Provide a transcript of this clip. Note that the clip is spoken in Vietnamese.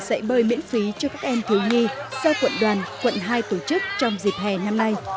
dạy bơi miễn phí cho các em thiếu nhi do quận đoàn quận hai tổ chức trong dịp hè năm nay